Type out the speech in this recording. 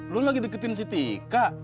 lu lagi deketin si tiga